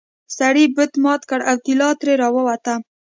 سړي بت مات کړ او طلا ترې راووته.